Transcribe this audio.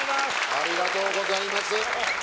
ありがとうございます